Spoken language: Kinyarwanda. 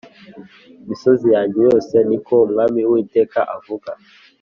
misozi yanjye yose ni ko Umwami Uwiteka avuga